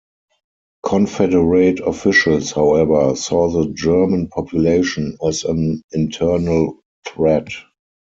Confederate officials, however, saw the German population as an internal threat.